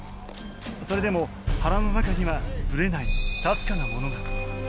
それでも原の中にはブレない確かなものが。